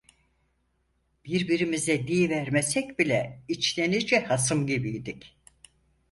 Birbirimize diyivermesek bile, içten içe hasım gibiydik.